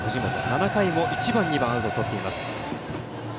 ７回も１番、２番アウトとっています。